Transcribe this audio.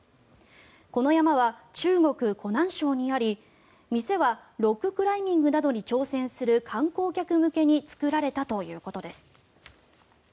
この山は中国・湖南省にあり店はロッククライミングなどに挑戦する観光客向けに作られたということです。